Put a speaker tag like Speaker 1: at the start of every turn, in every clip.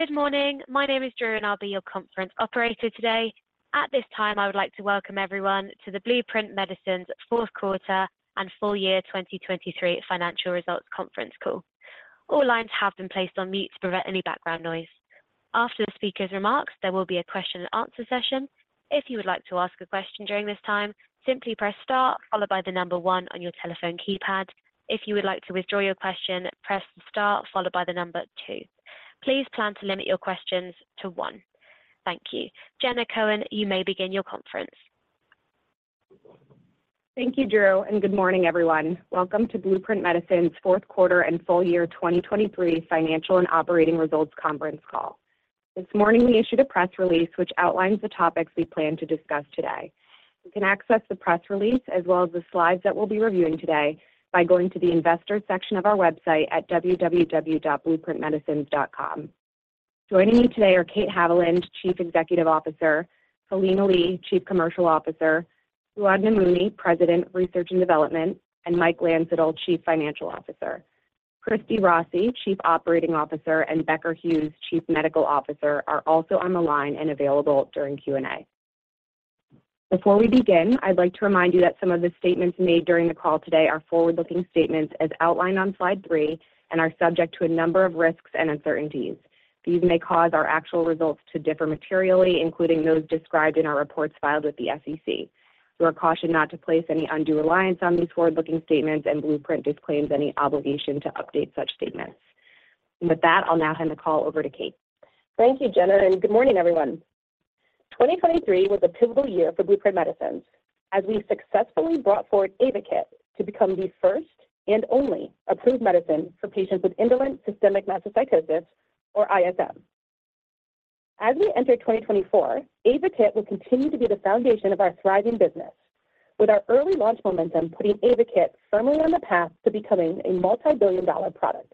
Speaker 1: Good morning. My name is Drew, and I'll be your conference operator today. At this time, I would like to welcome everyone to the Blueprint Medicines Q4 and full year 2023 financial results conference call. All lines have been placed on mute to prevent any background noise. After the speaker's remarks, there will be a question-and-answer session. If you would like to ask a question during this time, simply press star, followed by 1 on your telephone keypad. If you would like to withdraw your question, press star, followed by 2. Please plan to limit your questions to 1. Thank you. Jenna Cohen, you may begin your conference.
Speaker 2: Thank you, Drew, and good morning, everyone. Welcome to Blueprint Medicines Q4 and full year 2023 financial and operating results conference call. This morning we issued a press release which outlines the topics we plan to discuss today. You can access the press release as well as the slides that we'll be reviewing today by going to the Investor section of our website at www.blueprintmedicines.com. Joining me today are Kate Haviland, Chief Executive Officer; Philina Lee, Chief Commercial Officer; Fouad Namouni, President, Research and Development; and Mike Landsittel, Chief Financial Officer. Christina Rossi, Chief Operating Officer; and Becker Hewes, Chief Medical Officer, are also on the line and available during Q&A. Before we begin, I'd like to remind you that some of the statements made during the call today are forward-looking statements as outlined on slide 3 and are subject to a number of risks and uncertainties. These may cause our actual results to differ materially, including those described in our reports filed with the SEC. You are cautioned not to place any undue reliance on these forward-looking statements, and Blueprint disclaims any obligation to update such statements. With that, I'll now hand the call over to Kate.
Speaker 3: Thank you, Jenna, and good morning, everyone. 2023 was a pivotal year for Blueprint Medicines as we successfully brought forward AYVAKIT to become the first and only approved medicine for patients with indolent systemic mastocytosis, or ISM. As we enter 2024, AYVAKIT will continue to be the foundation of our thriving business, with our early launch momentum putting AYVAKIT firmly on the path to becoming a multi-billion dollar product.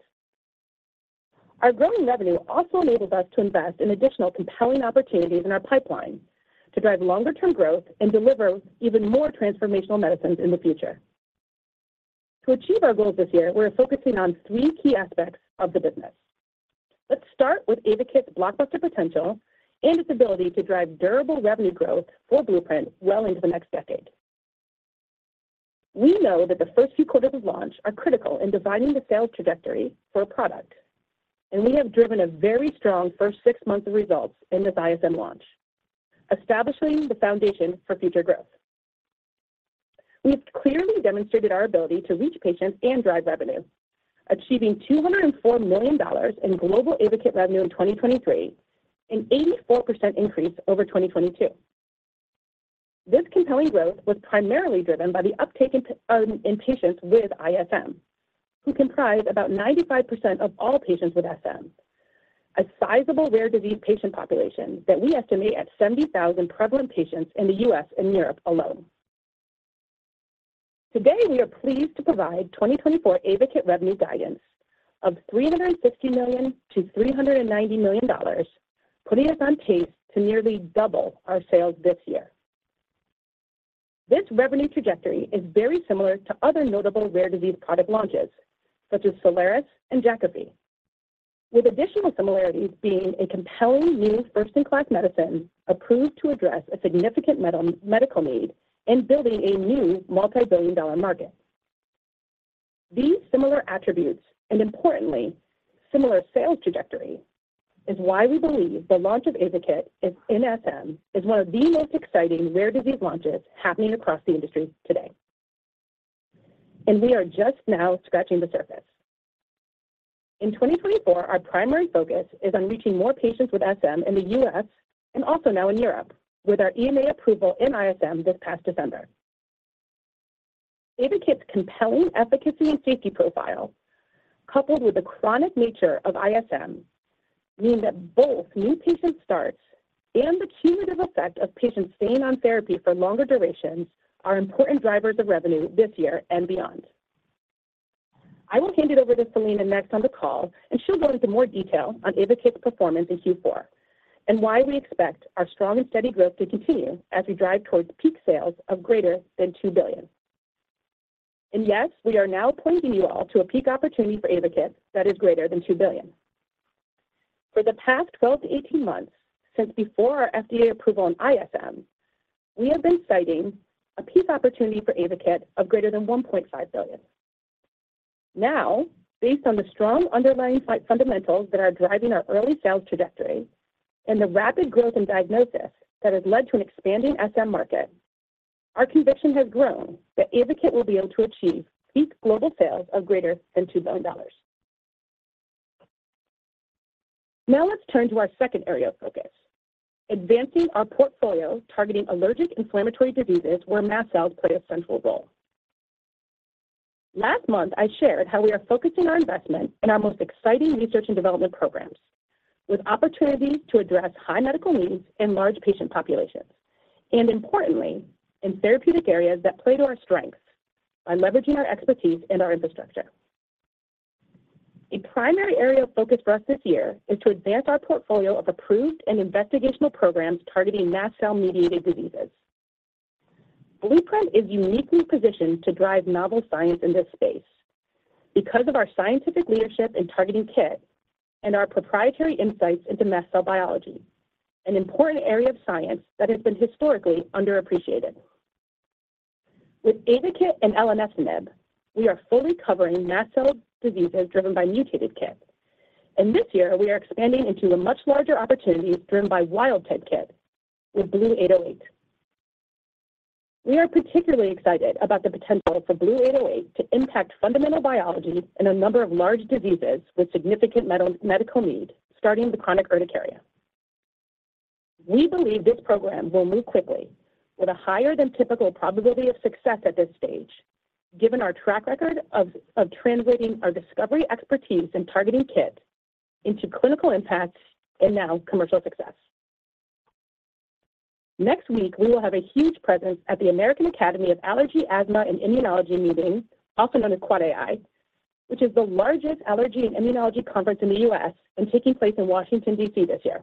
Speaker 3: Our growing revenue also enables us to invest in additional compelling opportunities in our pipeline to drive longer-term growth and deliver even more transformational medicines in the future. To achieve our goals this year, we're focusing on three key aspects of the business. Let's start with AYVAKIT's blockbuster potential and its ability to drive durable revenue growth for Blueprint well into the next decade. We know that the first few quarters of launch are critical in defining the sales trajectory for a product, and we have driven a very strong first six months of results in this ISM launch, establishing the foundation for future growth. We have clearly demonstrated our ability to reach patients and drive revenue, achieving $204 million in global AYVAKIT revenue in 2023, an 84% increase over 2022. This compelling growth was primarily driven by the uptake in patients with ISM, who comprise about 95% of all patients with SM, a sizable rare disease patient population that we estimate at 70,000 prevalent patients in the US and Europe alone. Today, we are pleased to provide 2024 AYVAKIT revenue guidance of $360 million to $390 million, putting us on pace to nearly double our sales this year. This revenue trajectory is very similar to other notable rare disease product launches, such as Soliris and Jakafi, with additional similarities being a compelling new first-in-class medicine approved to address a significant medical need and building a new multi-billion dollar market. These similar attributes and, importantly, similar sales trajectory is why we believe the launch of AYVAKIT in SM is one of the most exciting rare disease launches happening across the industry today. We are just now scratching the surface. In 2024, our primary focus is on reaching more patients with SM in the US and also now in Europe, with our EMA approval in ISM this past December. AYVAKIT's compelling efficacy and safety profile, coupled with the chronic nature of ISM, mean that both new patient starts and the cumulative effect of patients staying on therapy for longer durations are important drivers of revenue this year and beyond. I will hand it over to Philina next on the call, and she'll go into more detail on AYVAKIT's performance in Q4 and why we expect our strong and steady growth to continue as we drive towards peak sales of greater than $2 billion. And yes, we are now pointing you all to a peak opportunity for AYVAKIT that is greater than $2 billion. For the past 12-18 months since before our FDA approval on ISM, we have been citing a peak opportunity for AYVAKIT of greater than $1.5 billion. Now, based on the strong underlying fundamentals that are driving our early sales trajectory and the rapid growth in diagnosis that has led to an expanding SM market, our conviction has grown that AYVAKIT will be able to achieve peak global sales of greater than $2 billion. Now let's turn to our second area of focus, advancing our portfolio targeting allergic inflammatory diseases where mast cells play a central role. Last month, I shared how we are focusing our investment in our most exciting research and development programs, with opportunities to address high medical needs in large patient populations and, importantly, in therapeutic areas that play to our strengths by leveraging our expertise and our infrastructure. A primary area of focus for us this year is to advance our portfolio of approved and investigational programs targeting mast cell-mediated diseases. Blueprint is uniquely positioned to drive novel science in this space because of our scientific leadership in targeting KIT and our proprietary insights into mast cell biology, an important area of science that has been historically underappreciated. With AYVAKIT and LMSNIB, we are fully covering mast cell diseases driven by mutated KIT, and this year we are expanding into much larger opportunities driven by wild-type KIT with BLU-808. We are particularly excited about the potential for BLU-808 to impact fundamental biology in a number of large diseases with significant medical need, starting with chronic urticaria. We believe this program will move quickly with a higher than typical probability of success at this stage, given our track record of translating our discovery expertise in targeting KIT into clinical impacts and now commercial success. Next week, we will have a huge presence at the American Academy of Allergy, Asthma, and Immunology meeting, also known as QuadAI, which is the largest allergy and immunology conference in the US and taking place in Washington, D.C., this year.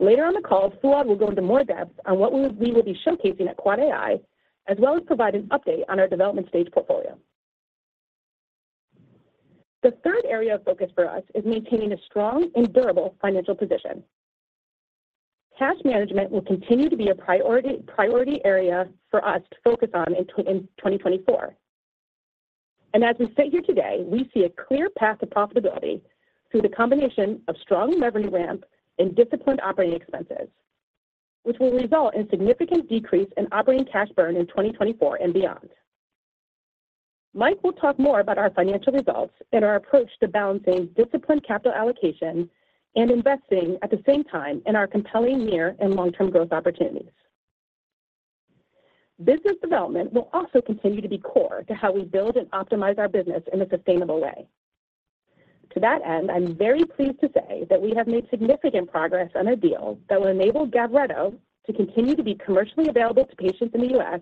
Speaker 3: Later on the call, Fouad will go into more depth on what we will be showcasing at QuadAI, as well as provide an update on our development stage portfolio. The third area of focus for us is maintaining a strong and durable financial position. Cash management will continue to be a priority area for us to focus on in 2024. As we sit here today, we see a clear path to profitability through the combination of strong revenue ramp and disciplined operating expenses, which will result in significant decrease in operating cash burn in 2024 and beyond. Mike will talk more about our financial results and our approach to balancing disciplined capital allocation and investing at the same time in our compelling near and long-term growth opportunities. Business development will also continue to be core to how we build and optimize our business in a sustainable way. To that end, I'm very pleased to say that we have made significant progress on a deal that will enable GAVRETO to continue to be commercially available to patients in the US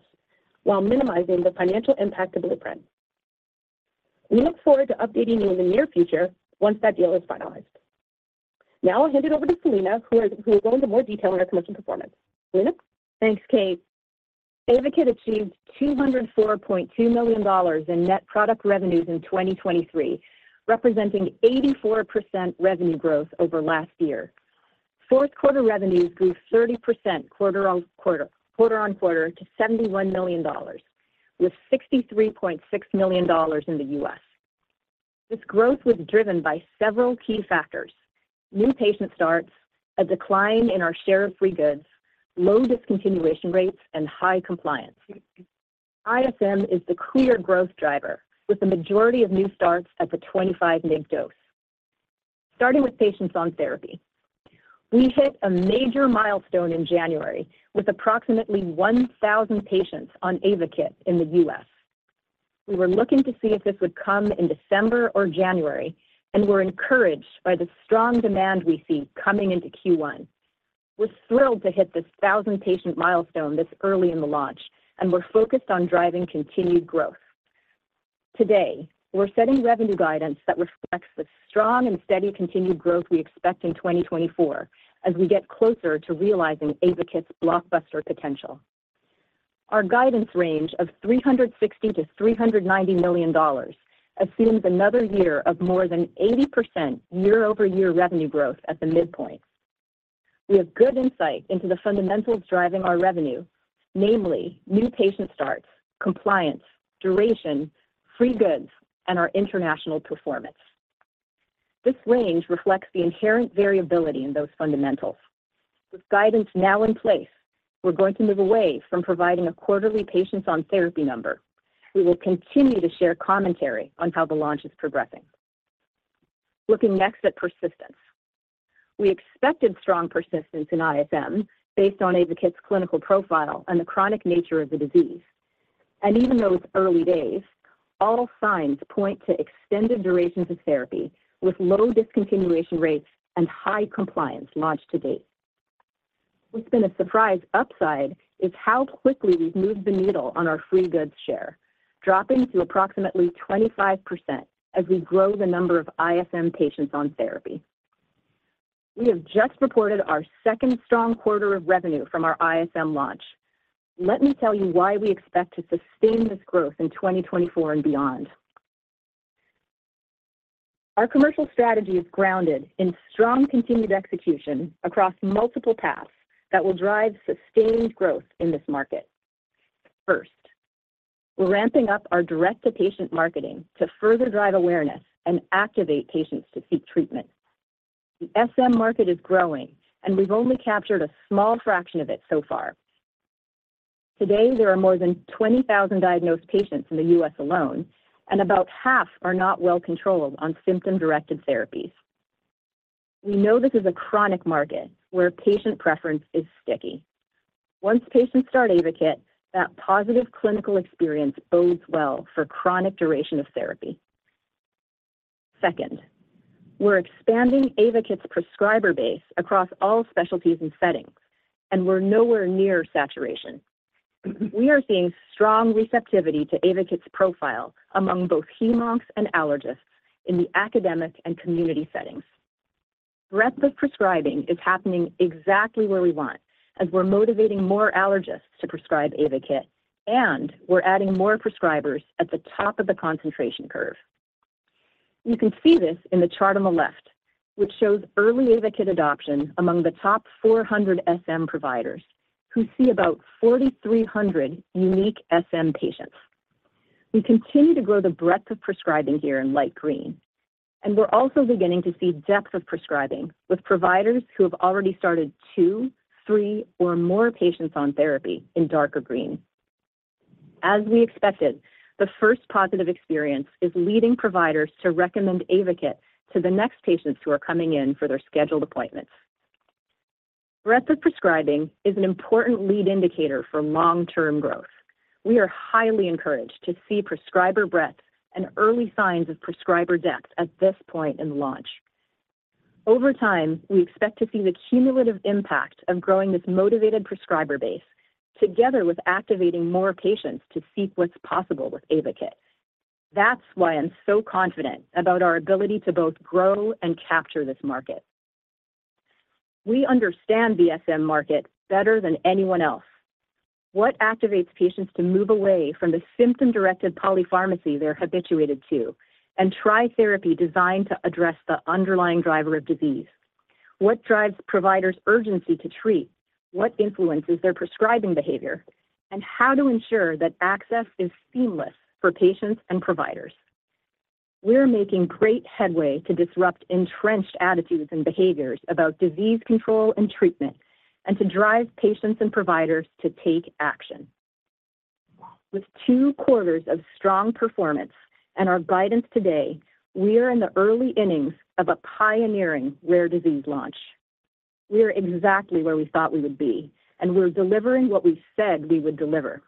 Speaker 3: while minimizing the financial impact of Blueprint. We look forward to updating you in the near future once that deal is finalized. Now I'll hand it over to Philina, who will go into more detail on our commercial performance. Philina?
Speaker 4: Thanks, Kate. AYVAKIT achieved $204.2 million in net product revenues in 2023, representing 84% revenue growth over last year. Q4 revenues grew 30% quarter-over-quarter to $71 million, with $63.6 million in the US this growth was driven by several key factors: new patient starts, a decline in our share of free goods, low discontinuation rates, and high compliance. ISM is the clear growth driver, with the majority of new starts at the 25-minute dose, starting with patients on therapy. We hit a major milestone in January with approximately 1,000 patients on AYVAKIT in the US We were looking to see if this would come in December or January, and were encouraged by the strong demand we see coming into Q1. We're thrilled to hit this 1,000-patient milestone this early in the launch, and we're focused on driving continued growth. Today, we're setting revenue guidance that reflects the strong and steady continued growth we expect in 2024 as we get closer to realizing AYVAKIT's blockbuster potential. Our guidance range of $360 to $390 million assumes another year of more than 80% year-over-year revenue growth at the midpoint. We have good insight into the fundamentals driving our revenue, namely new patient starts, compliance, duration, free goods, and our international performance. This range reflects the inherent variability in those fundamentals. With guidance now in place, we're going to move away from providing a quarterly patients-on-therapy number. We will continue to share commentary on how the launch is progressing. Looking next at persistence, we expected strong persistence in ISM based on AYVAKIT's clinical profile and the chronic nature of the disease. Even though it's early days, all signs point to extended durations of therapy with low discontinuation rates and high compliance launched to date. What's been a surprise upside is how quickly we've moved the needle on our free goods share, dropping to approximately 25% as we grow the number of ISM patients-on-therapy. We have just reported our second strong quarter of revenue from our ISM launch. Let me tell you why we expect to sustain this growth in 2024 and beyond. Our commercial strategy is grounded in strong continued execution across multiple paths that will drive sustained growth in this market. First, we're ramping up our direct-to-patient marketing to further drive awareness and activate patients to seek treatment. The SM market is growing, and we've only captured a small fraction of it so far. Today, there are more than 20,000 diagnosed patients in the US alone, and about half are not well controlled on symptom-directed therapies. We know this is a chronic market where patient preference is sticky. Once patients start AYVAKIT, that positive clinical experience bodes well for chronic duration of therapy. Second, we're expanding AYVAKIT's prescriber base across all specialties and settings, and we're nowhere near saturation. We are seeing strong receptivity to AYVAKIT's profile among both hem-oncs and allergists in the academic and community settings. Breadth of prescribing is happening exactly where we want, as we're motivating more allergists to prescribe AYVAKIT, and we're adding more prescribers at the top of the concentration curve. You can see this in the chart on the left, which shows early AYVAKIT adoption among the top 400 SM providers, who see about 4,300 unique SM patients. We continue to grow the breadth of prescribing here in light green, and we're also beginning to see depth of prescribing with providers who have already started two, three, or more patients-on-therapy in darker green. As we expected, the first positive experience is leading providers to recommend AYVAKIT to the next patients who are coming in for their scheduled appointments. Breadth of prescribing is an important lead indicator for long-term growth. We are highly encouraged to see prescriber breadth and early signs of prescriber depth at this point in the launch. Over time, we expect to see the cumulative impact of growing this motivated prescriber base together with activating more patients to seek what's possible with AYVAKIT. That's why I'm so confident about our ability to both grow and capture this market. We understand the SM Market better than anyone else. What activates patients to move away from the symptom-directed polypharmacy they're habituated to and try therapy designed to address the underlying driver of disease? What drives providers' urgency to treat? What influences their prescribing behavior? And how to ensure that access is seamless for patients and providers? We're making great headway to disrupt entrenched attitudes and behaviors about disease control and treatment and to drive patients and providers to take action. With two quarters of strong performance and our guidance today, we are in the early innings of a pioneering rare disease launch. We are exactly where we thought we would be, and we're delivering what we said we would deliver.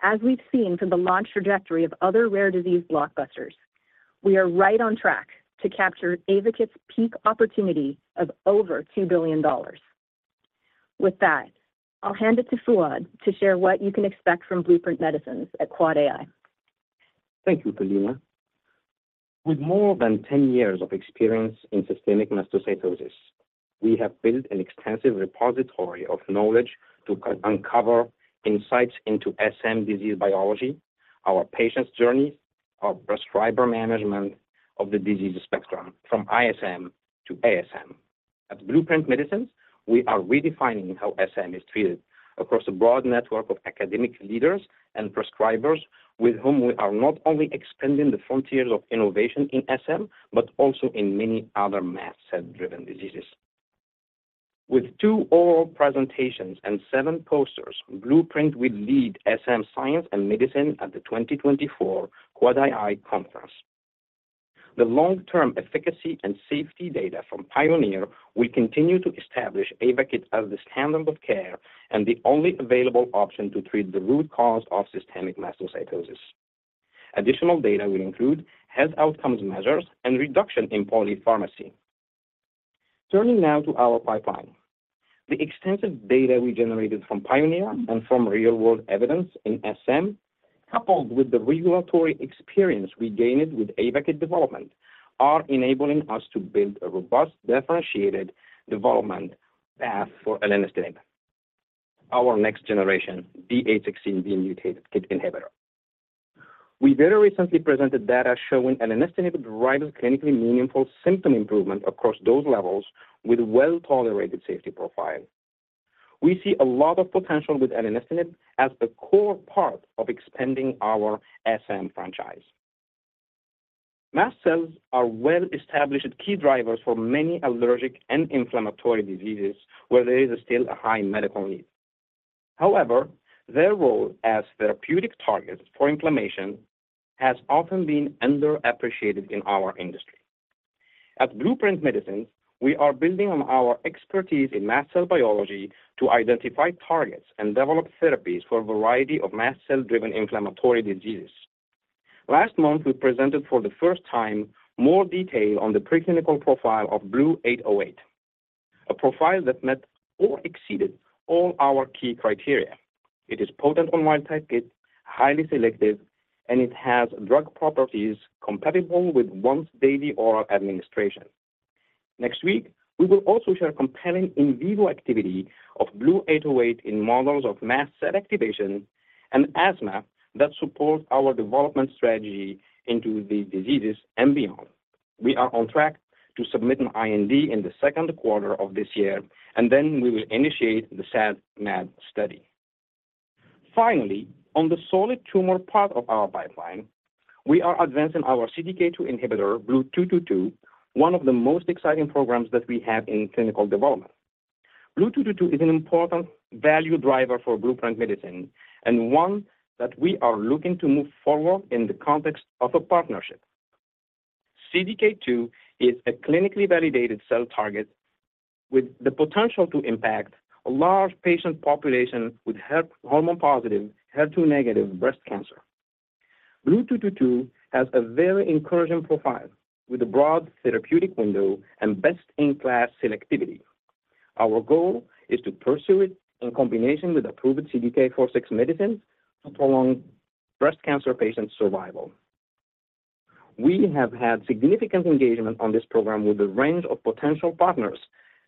Speaker 4: As we've seen from the launch trajectory of other rare disease blockbusters, we are right on track to capture AYVAKIT's peak opportunity of over $2 billion. With that, I'll hand it to Fouad to share what you can expect from Blueprint Medicines at QuadAI.
Speaker 5: Thank you, Philina. With more than 10 years of experience in systemic mastocytosis, we have built an extensive repository of knowledge to uncover insights into SM disease biology, our patients' journeys, our prescriber management of the disease spectrum from ISM to AdvSM. At Blueprint Medicines, we are redefining how SM is treated across a broad network of academic leaders and prescribers with whom we are not only expanding the frontiers of innovation in SM but also in many other mast cell-driven diseases. With two oral presentations and seven posters, Blueprint will lead SM science and medicine at the 2024 QuadAI conference. The long-term efficacy and safety data from Pioneer will continue to establish AYVAKIT as the standard of care and the only available option to treat the root cause of systemic mastocytosis. Additional data will include health outcomes measures and reduction in polypharmacy. Turning now to our pipeline, the extensive data we generated from PIONEER and from real-world evidence in SM, coupled with the regulatory experience we gained with AYVAKIT development, are enabling us to build a robust, differentiated development path for LNS inhibitor, our next generation, D816V mutated KIT inhibitor. We very recently presented data showing LNS inhibitor drives clinically meaningful symptom improvement across those levels with a well-tolerated safety profile. We see a lot of potential with LNS inhibitor as a core part of expanding our SM franchise. Mast cells are well-established key drivers for many allergic and inflammatory diseases where there is still a high medical need. However, their role as therapeutic targets for inflammation has often been underappreciated in our industry. At Blueprint Medicines, we are building on our expertise in mast cell biology to identify targets and develop therapies for a variety of mast cell-driven inflammatory diseases. Last month, we presented for the first time more detail on the preclinical profile of BLU-808, a profile that met or exceeded all our key criteria. It is potent on wild-type KIT, highly selective, and it has drug properties compatible with once-daily oral administration. Next week, we will also share compelling in vivo activity of BLU-808 in models of mast cell activation and asthma that support our development strategy into the diseases and beyond. We are on track to submit an IND in the second quarter of this year, and then we will initiate the SAD-MAD study. Finally, on the solid tumor part of our pipeline, we are advancing our CDK2 inhibitor, BLU-222, one of the most exciting programs that we have in clinical development. BLU-222 is an important value driver for Blueprint Medicines and one that we are looking to move forward in the context of a partnership. CDK2 is a clinically validated cell target with the potential to impact a large patient population with hormone-positive, HER2-negative breast cancer. BLU-222 has a very encouraging profile with a broad therapeutic window and best-in-class selectivity. Our goal is to pursue it in combination with approved CDK4/6 medicines to prolong breast cancer patients' survival. We have had significant engagement on this program with a range of potential partners,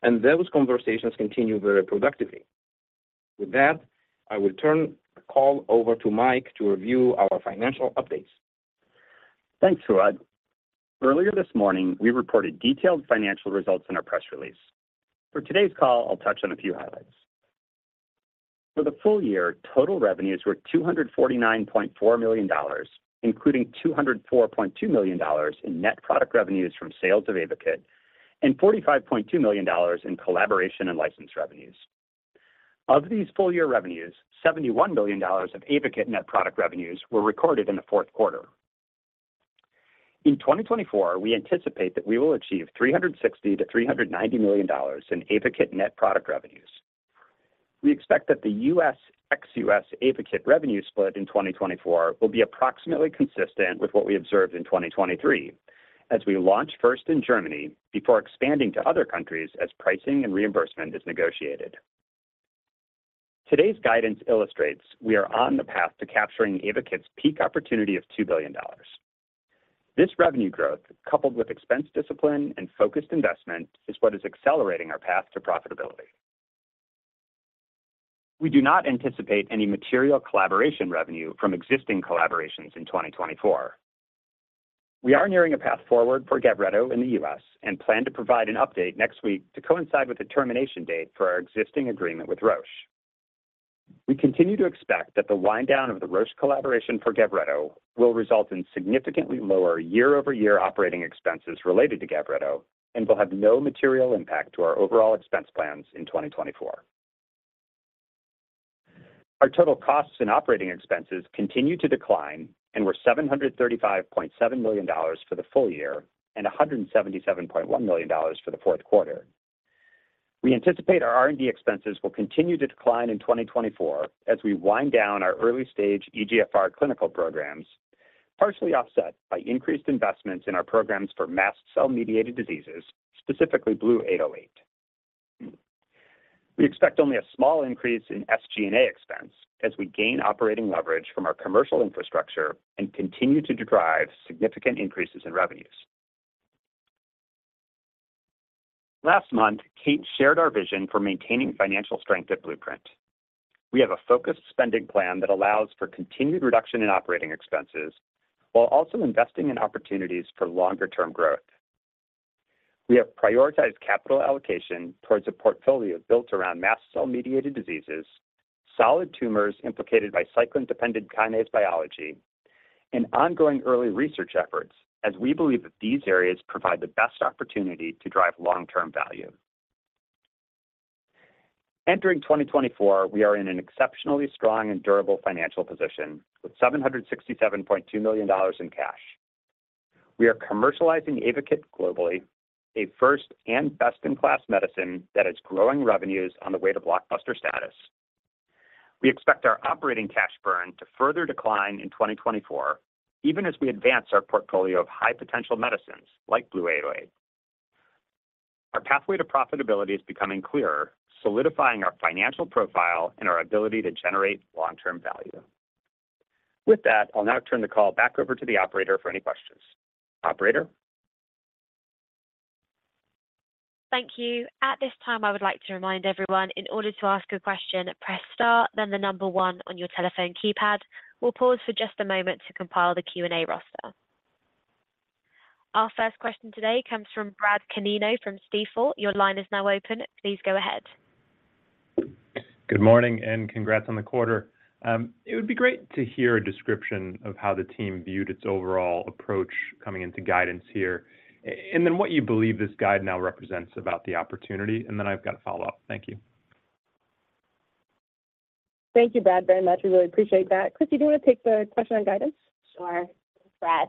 Speaker 5: and those conversations continue very productively. With that, I will turn the call over to Mike to review our financial updates.
Speaker 6: Thanks, Fouad. Earlier this morning, we reported detailed financial results in our press release. For today's call, I'll touch on a few highlights. For the full year, total revenues were $249.4 million, including $204.2 million in net product revenues from sales of AYVAKIT and $45.2 million in collaboration and license revenues. Of these full-year revenues, $71 million of AYVAKIT net product revenues were recorded in the Q4. In 2024, we anticipate that we will achieve $360 to $390 million in AYVAKIT net product revenues. We expect that the US/ex-US AYVAKIT revenue split in 2024 will be approximately consistent with what we observed in 2023 as we launch first in Germany before expanding to other countries as pricing and reimbursement is negotiated. Today's guidance illustrates we are on the path to capturing AYVAKIT's peak opportunity of $2 billion. This revenue growth, coupled with expense discipline and focused investment, is what is accelerating our path to profitability. We do not anticipate any material collaboration revenue from existing collaborations in 2024. We are nearing a path forward for GAVRETO in the US and plan to provide an update next week to coincide with the termination date for our existing agreement with Roche. We continue to expect that the winddown of the Roche collaboration for GAVRETO will result in significantly lower year-over-year operating expenses related to GAVRETO and will have no material impact to our overall expense plans in 2024. Our total costs and operating expenses continue to decline, and we're $735.7 million for the full year and $177.1 million for the Q4. We anticipate our R&D expenses will continue to decline in 2024 as we wind down our early-stage EGFR clinical programs, partially offset by increased investments in our programs for mast cell-mediated diseases, specifically BLU-808. We expect only a small increase in SG&A expense as we gain operating leverage from our commercial infrastructure and continue to drive significant increases in revenues. Last month, Kate shared our vision for maintaining financial strength at Blueprint. We have a focused spending plan that allows for continued reduction in operating expenses while also investing in opportunities for longer-term growth. We have prioritized capital allocation towards a portfolio built around mast cell-mediated diseases, solid tumors implicated by cyclin-dependent kinase biology, and ongoing early research efforts as we believe that these areas provide the best opportunity to drive long-term value. Entering 2024, we are in an exceptionally strong and durable financial position with $767.2 million in cash. We are commercializing AYVAKIT globally, a first and best-in-class medicine that is growing revenues on the way to blockbuster status. We expect our operating cash burn to further decline in 2024, even as we advance our portfolio of high-potential medicines like BLU-808. Our pathway to profitability is becoming clearer, solidifying our financial profile and our ability to generate long-term value. With that, I'll now turn the call back over to the operator for any questions. Operator?
Speaker 1: Thank you. At this time, I would like to remind everyone, in order to ask a question, press star, then the number one on your telephone keypad. We'll pause for just a moment to compile the Q&A roster. Our first question today comes from Brad Canino from Stifel. Your line is now open. Please go ahead.
Speaker 7: Good morning and congrats on the quarter. It would be great to hear a description of how the team viewed its overall approach coming into guidance here, and then what you believe this guide now represents about the opportunity. And then I've got a follow-up. Thank you.
Speaker 2: Thank you, Brad, very much. We really appreciate that. Christina, do you want to take the question on guidance?
Speaker 8: Sure, Brad.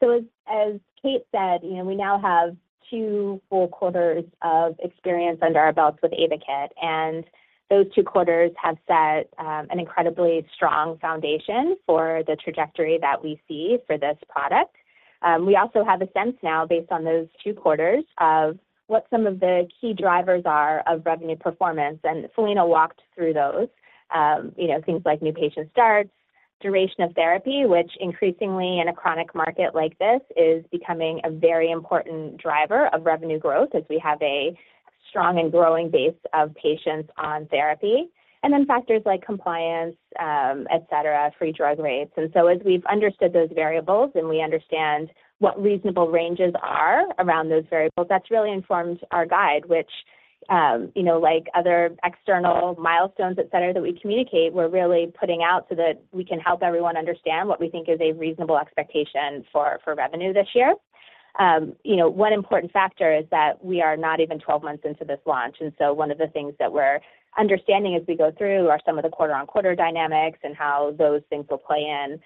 Speaker 8: So as Kate said, we now have two full quarters of experience under our belts with AYVAKIT, and those two quarters have set an incredibly strong foundation for the trajectory that we see for this product. We also have a sense now, based on those two quarters, of what some of the key drivers are of revenue performance. And Philina walked through those, things like new patient starts, duration of therapy, which increasingly, in a chronic market like this, is becoming a very important driver of revenue growth as we have a strong and growing base of patients on therapy, and then factors like compliance, etc., free drug rates. And so as we've understood those variables and we understand what reasonable ranges are around those variables, that's really informed our guide, which, like other external milestones, etc., that we communicate, we're really putting out so that we can help everyone understand what we think is a reasonable expectation for revenue this year. One important factor is that we are not even 12 months into this launch. And so one of the things that we're understanding as we go through are some of the quarter-on-quarter dynamics and how those things will play in.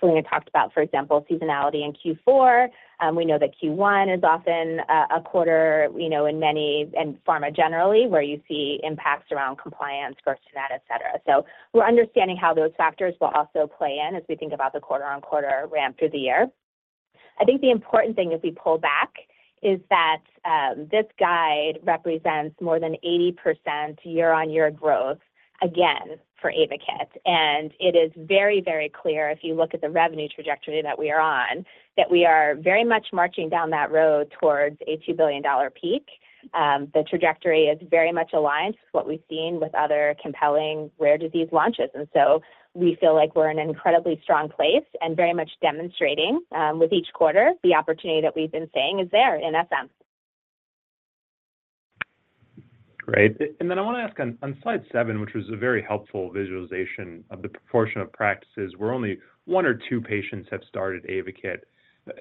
Speaker 8: Philina talked about, for example, seasonality in Q4. We know that Q1 is often a quarter in many and pharma generally where you see impacts around compliance, growth to that, etc. So we're understanding how those factors will also play in as we think about the quarter-on-quarter ramp through the year. I think the important thing, if we pull back, is that this guide represents more than 80% year-on-year growth, again, for AYVAKIT. It is very, very clear, if you look at the revenue trajectory that we are on, that we are very much marching down that road towards a $2 billion peak. The trajectory is very much aligned with what we've seen with other compelling rare disease launches. So we feel like we're in an incredibly strong place and very much demonstrating, with each quarter, the opportunity that we've been seeing is there in SM.
Speaker 7: Great. And then I want to ask, on slide seven, which was a very helpful visualization of the proportion of practices where only one or two patients have started AYVAKIT,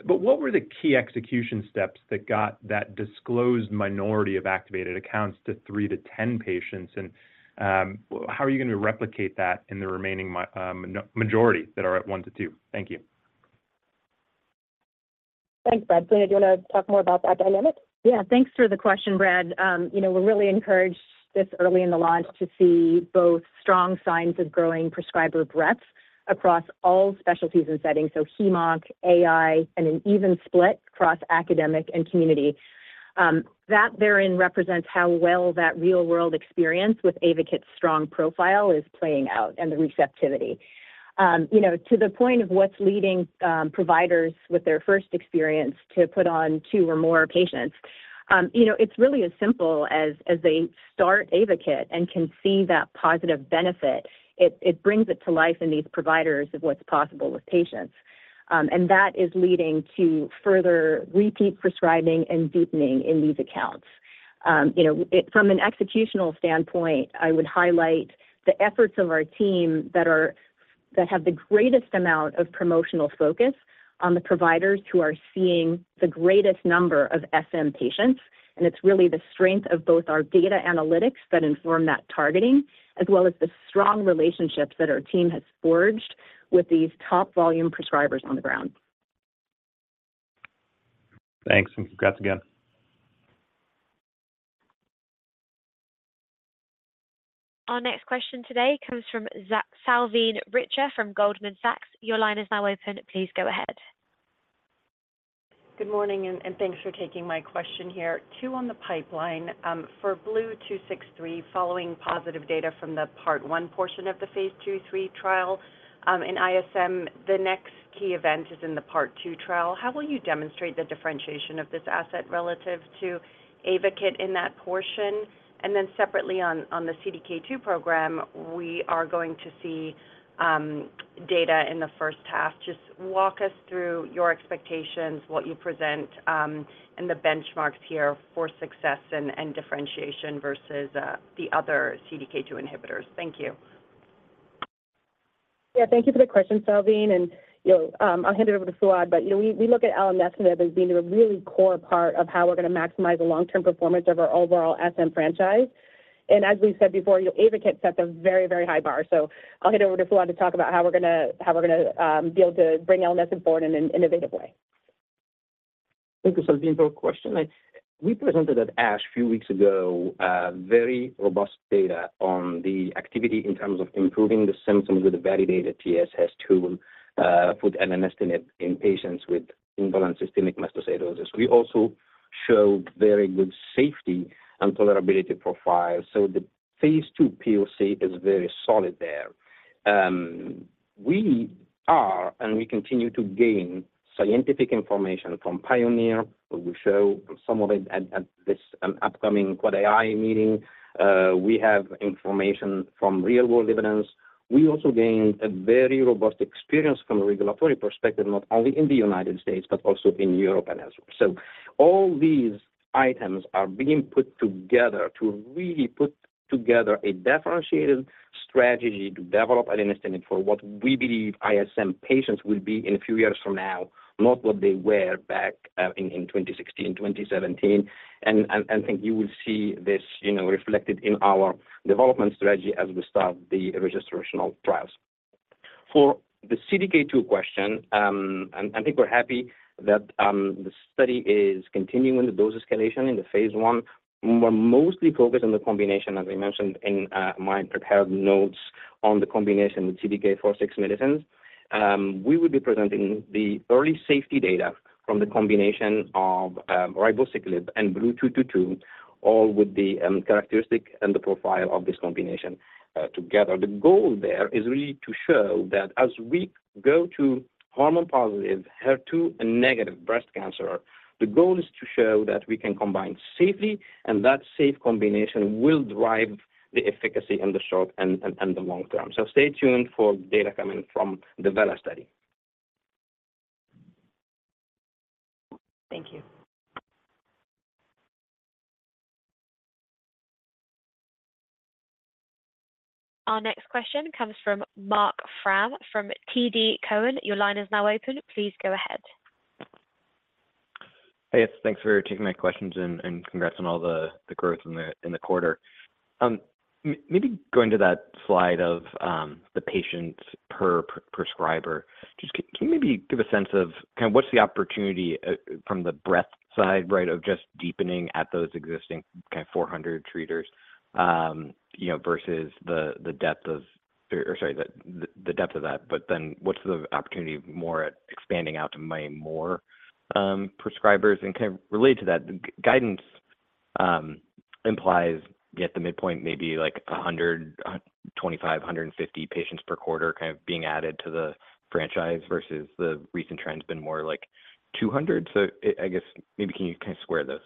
Speaker 7: but what were the key execution steps that got that disclosed minority of activated accounts to three to ten patients? And how are you going to replicate that in the remaining majority that are at one to two? Thank you.
Speaker 2: Thanks, Brad. Philina, do you want to talk more about that dynamic?
Speaker 8: Yeah. Thanks for the question, Brad. We're really encouraged this early in the launch to see both strong signs of growing prescriber breadth across all specialties and settings, so hem/onc, AI, and an even split across academic and community. That, therein, represents how well that real-world experience with AYVAKIT's strong profile is playing out and the receptivity. To the point of what's leading providers with their first experience to put on two or more patients, it's really as simple as they start AYVAKIT and can see that positive benefit. It brings it to life in these providers of what's possible with patients. And that is leading to further repeat prescribing and deepening in these accounts. From an executional standpoint, I would highlight the efforts of our team that have the greatest amount of promotional focus on the providers who are seeing the greatest number of SM patients. It's really the strength of both our data analytics that inform that targeting, as well as the strong relationships that our team has forged with these top-volume prescribers on the ground.
Speaker 7: Thanks and congrats again.
Speaker 1: Our next question today comes from Salveen Richter from Goldman Sachs. Your line is now open. Please go ahead.
Speaker 9: Good morning and thanks for taking my question here. Two on the pipeline. For BLU-263, following positive data from the part 1 portion of the phase two to three trial in ISM, the next key event is in the part two trial. How will you demonstrate the differentiation of this asset relative to AYVAKIT in that portion? And then separately on the CDK2 program, we are going to see data in the H1. Just walk us through your expectations, what you present, and the benchmarks here for success and differentiation versus the other CDK2 inhibitors. Thank you.
Speaker 2: Yeah. Thank you for the question, Salveen. I'll hand it over to Fouad. But we look at LMSNIB as being a really core part of how we're going to maximize the long-term performance of our overall SM franchise. And as we've said before, AYVAKIT sets a very, very high bar. So I'll hand it over to Fouad to talk about how we're going to be able to bring LMSNIB forward in an innovative way.
Speaker 5: Thank you, Salveen, for the question. We presented at ASH a few weeks ago very robust data on the activity in terms of improving the symptoms with the validated TSS tool for LMSNIB in patients with indolent systemic mastocytosis. We also show very good safety and tolerability profiles. So the phase two POC is very solid there. We are and we continue to gain scientific information from Pioneer. We will show some of it at this upcoming QuadAI meeting. We have information from real-world evidence. We also gained a very robust experience from a regulatory perspective, not only in the United States but also in Europe and elsewhere. So all these items are being put together to really put together a differentiated strategy to develop LMSNIB for what we believe ISM patients will be in a few years from now, not what they were back in 2016, 2017. I think you will see this reflected in our development strategy as we start the registration trials. For the CDK2 question, I think we're happy that the study is continuing with the dose escalation in the phase 1. We're mostly focused on the combination, as I mentioned in my prepared notes, on the combination with CDK4/6 medicines. We will be presenting the early safety data from the combination of ribociclib and BLU-222, all with the characteristic and the profile of this combination together. The goal there is really to show that as we go to hormone-positive, HER2-negative breast cancer, the goal is to show that we can combine safely, and that safe combination will drive the efficacy in the short and the long term. So stay tuned for data coming from the Vela study.
Speaker 8: Thank you.
Speaker 1: Our next question comes from Mark Frimerman from TD Cowen. Your line is now open. Please go ahead.
Speaker 10: Hey. Thanks for taking my questions and congrats on all the growth in the quarter. Maybe going to that slide of the patients per prescriber, can you maybe give a sense of kind of what's the opportunity from the breadth side, right, of just deepening at those existing kind of 400 treaters versus the depth of or sorry, the depth of that, but then what's the opportunity more at expanding out to maybe more prescribers? And kind of related to that, guidance implies at the midpoint maybe like 125, 150 patients per quarter kind of being added to the franchise versus the recent trend has been more like 200. So I guess maybe can you kind of square those?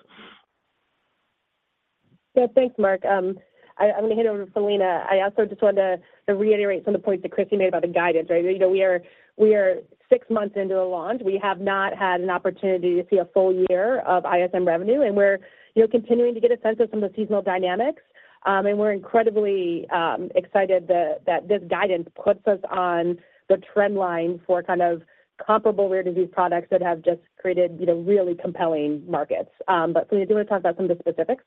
Speaker 2: Yeah. Thanks, Mark. I'm going to hand it over to Philina. I also just wanted to reiterate some of the points that Christina made about the guidance, right? We are six months into the launch. We have not had an opportunity to see a full year of ISM revenue. And we're continuing to get a sense of some of the seasonal dynamics. And we're incredibly excited that this guidance puts us on the trend line for kind of comparable rare disease products that have just created really compelling markets. But Philina, do you want to talk about some of the specifics?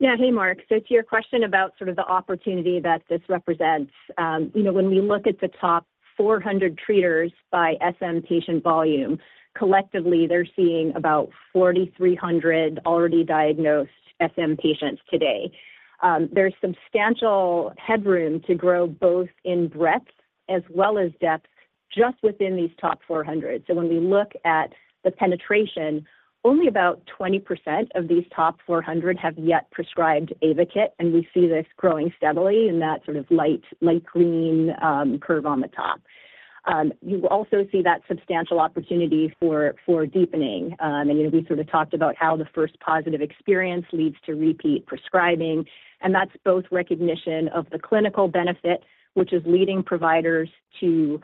Speaker 8: Yeah. Hey, Mark. So to your question about sort of the opportunity that this represents, when we look at the top 400 treaters by SM patient volume, collectively, they're seeing about 4,300 already diagnosed SM patients today. There's substantial headroom to grow both in breadth as well as depth just within these top 400. So when we look at the penetration, only about 20% of these top 400 have yet prescribed AYVAKIT, and we see this growing steadily in that sort of light green curve on the top. You also see that substantial opportunity for deepening. And we sort of talked about how the first positive experience leads to repeat prescribing. And that's both recognition of the clinical benefit, which is leading providers to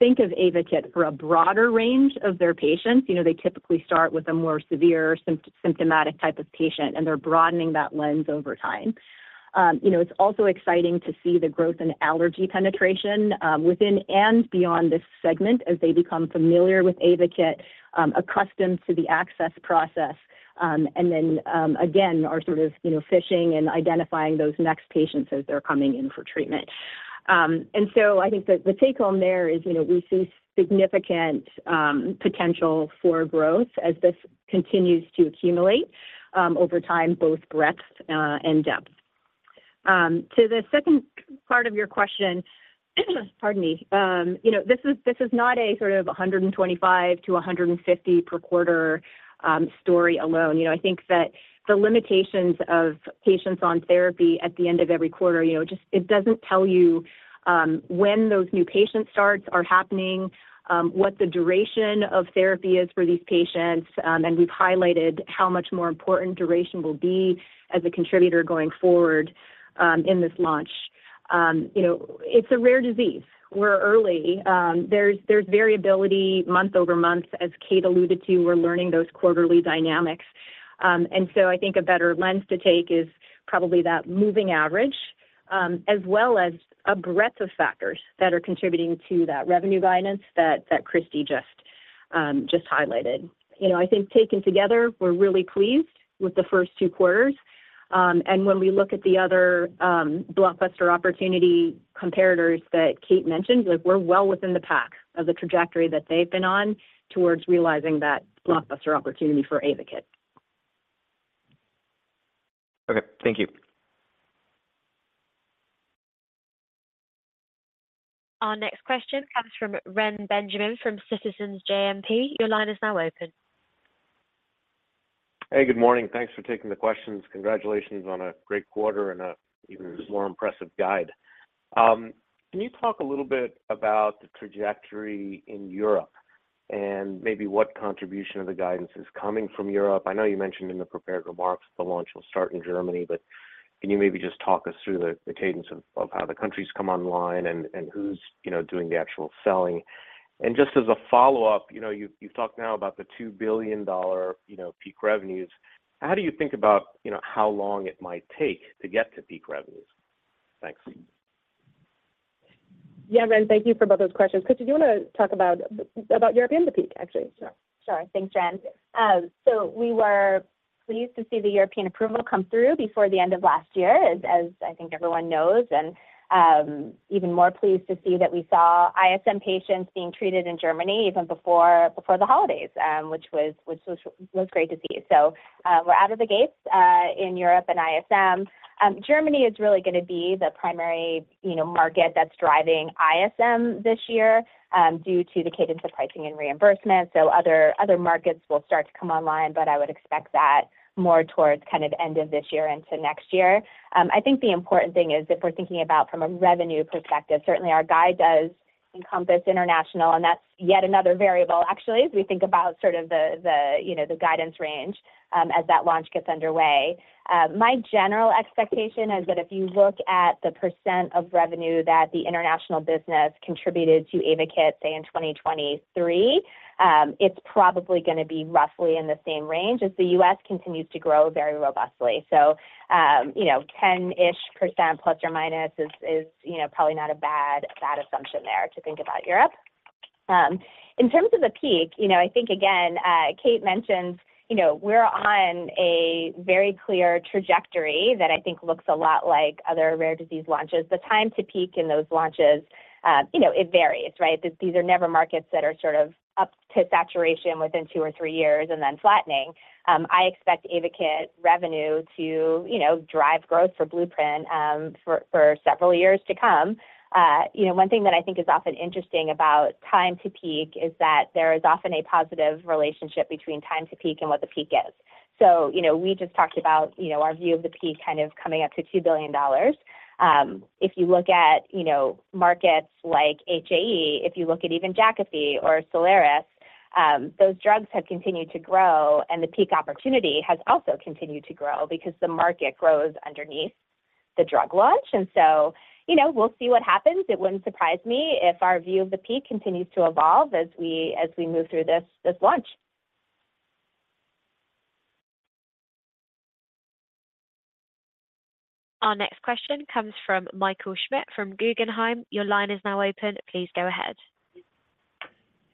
Speaker 8: think of AYVAKIT for a broader range of their patients. They typically start with a more severe symptomatic type of patient, and they're broadening that lens over time. It's also exciting to see the growth in allergy penetration within and beyond this segment as they become familiar with AYVAKIT, accustomed to the access process, and then again are sort of fishing and identifying those next patients as they're coming in for treatment. And so I think the take-home there is we see significant potential for growth as this continues to accumulate over time, both breadth and depth. To the second part of your question, pardon me. This is not a sort of 125-150 per quarter story alone. I think that the limitations of patients on therapy at the end of every quarter, it doesn't tell you when those new patient starts are happening, what the duration of therapy is for these patients. We've highlighted how much more important duration will be as a contributor going forward in this launch. It's a rare disease. We're early. There's variability month-over-month. As Kate alluded to, we're learning those quarterly dynamics. So I think a better lens to take is probably that moving average as well as a breadth of factors that are contributing to that revenue guidance that Christina just highlighted. I think taken together, we're really pleased with the first two quarters. When we look at the other blockbuster opportunity comparators that Kate mentioned, we're well within the pack of the trajectory that they've been on towards realizing that blockbuster opportunity for AYVAKIT.
Speaker 10: Okay. Thank you.
Speaker 1: Our next question comes from Wren Benjamin from Citizens JMP. Your line is now open.
Speaker 11: Hey. Good morning. Thanks for taking the questions. Congratulations on a great quarter and an even more impressive guide. Can you talk a little bit about the trajectory in Europe and maybe what contribution of the guidance is coming from Europe? I know you mentioned in the prepared remarks the launch will start in Germany, but can you maybe just talk us through the cadence of how the countries come online and who's doing the actual selling? And just as a follow-up, you've talked now about the $2 billion peak revenues. How do you think about how long it might take to get to peak revenues? Thanks.
Speaker 2: Yeah, Wren. Thank you for both those questions. Christina, do you want to talk about Europe and the peak, actually?
Speaker 8: Sure. Thanks, Jen. So we were pleased to see the European approval come through before the end of last year, as I think everyone knows, and even more pleased to see that we saw ISM patients being treated in Germany even before the holidays, which was great to see. So we're out of the gates in Europe and ISM. Germany is really going to be the primary market that's driving ISM this year due to the cadence of pricing and reimbursement. So other markets will start to come online, but I would expect that more towards kind of end of this year into next year. I think the important thing is if we're thinking about from a revenue perspective, certainly our guide does encompass international, and that's yet another variable, actually, as we think about sort of the guidance range as that launch gets underway. My general expectation is that if you look at the percent of revenue that the international business contributed to AYVAKIT, say, in 2023, it's probably going to be roughly in the same range as the US continues to grow very robustly. So 10%-ish ± is probably not a bad assumption there to think about Europe. In terms of the peak, I think, again, Kate mentioned we're on a very clear trajectory that I think looks a lot like other rare disease launches. The time to peak in those launches, it varies, right? These are never markets that are sort of up to saturation within two or three years and then flattening. I expect AYVAKIT revenue to drive growth for Blueprint for several years to come. One thing that I think is often interesting about time to peak is that there is often a positive relationship between time to peak and what the peak is. So we just talked about our view of the peak kind of coming up to $2 billion. If you look at markets like HAE, if you look at even Jakafi or Soliris, those drugs have continued to grow, and the peak opportunity has also continued to grow because the market grows underneath the drug launch. And so we'll see what happens. It wouldn't surprise me if our view of the peak continues to evolve as we move through this launch.
Speaker 1: Our next question comes from Michael Schmidt from Guggenheim. Your line is now open. Please go ahead.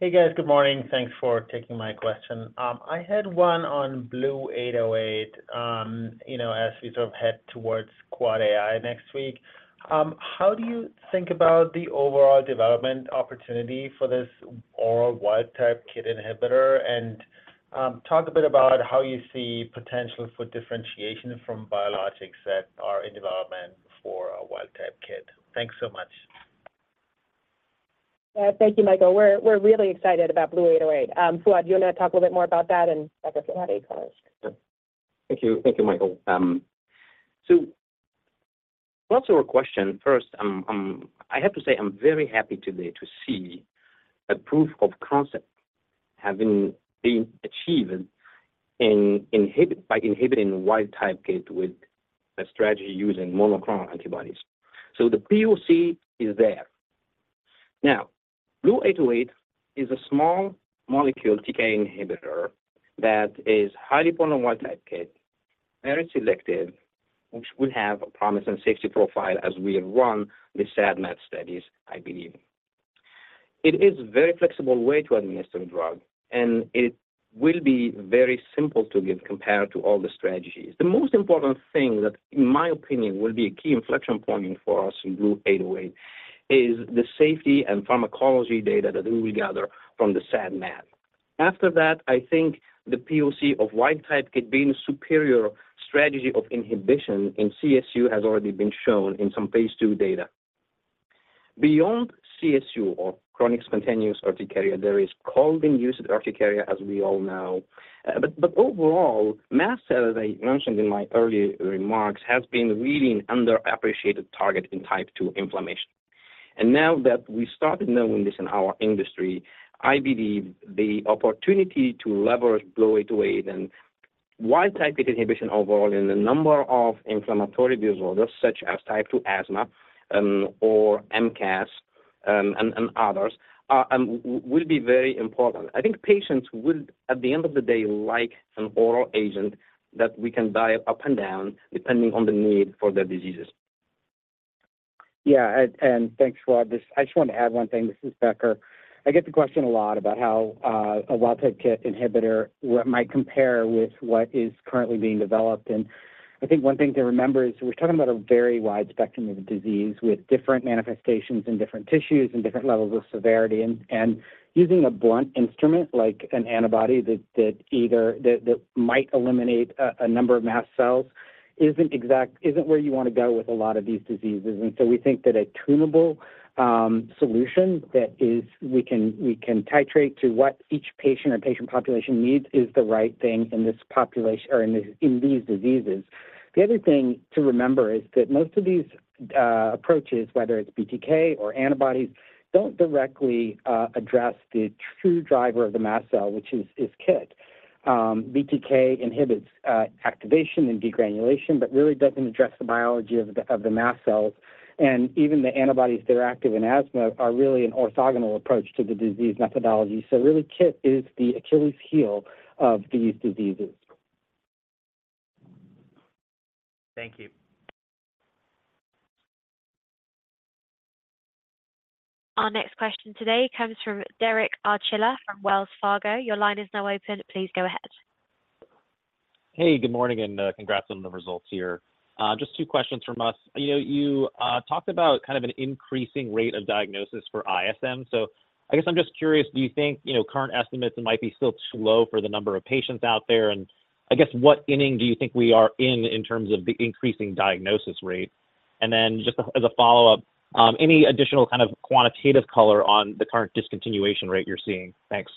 Speaker 12: Hey, guys. Good morning. Thanks for taking my question. I had one on BLU-808 as we sort of head towards QuadAI next week. How do you think about the overall development opportunity for this oral wild-type KIT inhibitor? And talk a bit about how you see potential for differentiation from biologics that are in development for a wild-type KIT. Thanks so much.
Speaker 2: Yeah. Thank you, Michael. We're really excited about BLU-808. Fouad, do you want to talk a little bit more about that? And Becker Hewes, how do you call us?
Speaker 5: Thank you. Thank you, Michael. So also a question. First, I have to say I'm very happy today to see a proof of concept having been achieved by inhibiting wild-type KIT with a strategy using monoclonal antibodies. So the POC is there. Now, BLU-808 is a small molecule TK inhibitor that is highly potent for wild-type KIT, very selective, which will have a promising safety profile as we run the SAD/MAD studies, I believe. It is a very flexible way to administer the drug, and it will be very simple to give compared to all the strategies. The most important thing that, in my opinion, will be a key inflection point for us in BLU-808 is the safety and pharmacology data that we will gather from the SAD/MAD. After that, I think the POC of wild-type KIT being a superior strategy of inhibition in CSU has already been shown in some phase 2 data. Beyond CSU or chronic spontaneous urticaria, there is cold-induced urticaria, as we all know. But overall, mast cell, as I mentioned in my early remarks, has been really an underappreciated target in type 2 inflammation. And now that we started knowing this in our industry, I believe the opportunity to leverage BLU-808 and wild-type KIT inhibition overall in a number of inflammatory disorders such as type 2 asthma or MCAS and others will be very important. I think patients will, at the end of the day, like an oral agent that we can dial up and down depending on the need for their diseases.
Speaker 13: Yeah. And thanks, Fouad. I just want to add one thing. This is Becker. I get the question a lot about how a wild-type KIT inhibitor might compare with what is currently being developed. And I think one thing to remember is we're talking about a very wide spectrum of disease with different manifestations in different tissues and different levels of severity. And using a blunt instrument like an antibody that might eliminate a number of mast cells isn't where you want to go with a lot of these diseases. And so we think that a tunable solution that we can titrate to what each patient or patient population needs is the right thing in these diseases. The other thing to remember is that most of these approaches, whether it's BTK or antibodies, don't directly address the true driver of the mast cell, which is KIT. BTK inhibits activation and degranulation but really doesn't address the biology of the mast cells. Even the antibodies that are active in asthma are really an orthogonal approach to the disease methodology. Really, KIT is the Achilles heel of these diseases. Thank you.
Speaker 1: Our next question today comes from Derek Archila from Wells Fargo. Your line is now open. Please go ahead.
Speaker 14: Hey. Good morning and congrats on the results here. Just two questions from us. You talked about kind of an increasing rate of diagnosis for ISM. So I guess I'm just curious, do you think current estimates might be still too low for the number of patients out there? And I guess what inning do you think we are in in terms of the increasing diagnosis rate? And then just as a follow-up, any additional kind of quantitative color on the current discontinuation rate you're seeing? Thanks.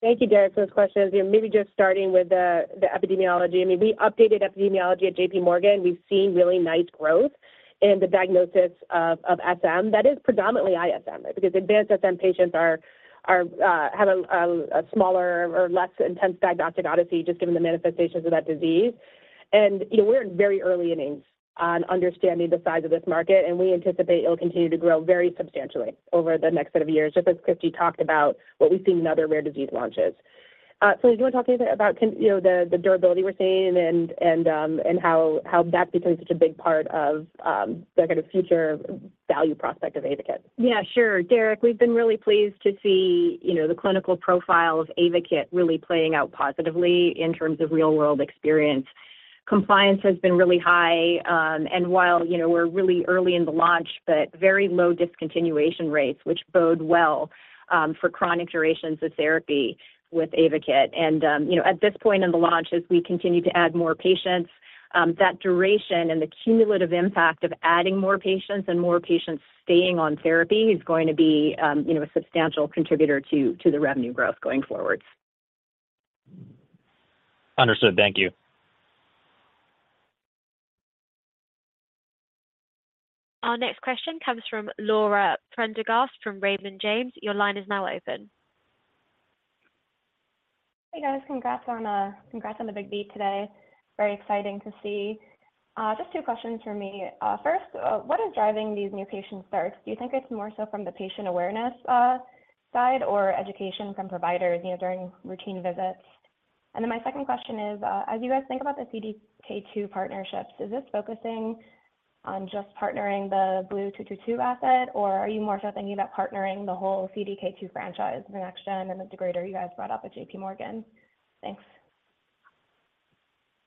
Speaker 2: Thank you, Derek, for those questions. Maybe just starting with the epidemiology. I mean, we updated epidemiology at JPMorgan. We've seen really nice growth in the diagnosis of SM. That is predominantly ISM because advanced SM patients have a smaller or less intense diagnostic odyssey just given the manifestations of that disease. And we're in very early innings on understanding the size of this market, and we anticipate it'll continue to grow very substantially over the next set of years, just as Christina talked about what we've seen in other rare disease launches. So do you want to talk anything about the durability we're seeing and how that's becoming such a big part of the kind of future value prospect of AYVAKIT?
Speaker 4: Yeah. Sure. Derek, we've been really pleased to see the clinical profile of AYVAKIT really playing out positively in terms of real-world experience. Compliance has been really high. And while we're really early in the launch but very low discontinuation rates, which bode well for chronic durations of therapy with AYVAKIT. At this point in the launch, as we continue to add more patients, that duration and the cumulative impact of adding more patients and more patients staying on therapy is going to be a substantial contributor to the revenue growth going forward.
Speaker 14: Understood. Thank you.
Speaker 1: Our next question comes from Laura Prendergast from Raymond James. Your line is now open.
Speaker 15: Hey, guys. Congrats on the big beat today. Very exciting to see. Just two questions for me. First, what is driving these new patient starts? Do you think it's more so from the patient awareness side or education from providers during routine visits? And then my second question is, as you guys think about the CDK2 partnerships, is this focusing on just partnering the BLU-222 asset, or are you more so thinking about partnering the whole CDK2 franchise with NextGen and the degrader you guys brought up at JPMorgan? Thanks.